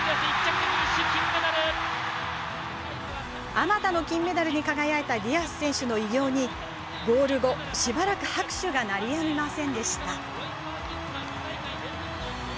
あまたの金メダルに輝いたディアス選手の偉業にゴール後しばらく拍手が鳴りやみませんでした。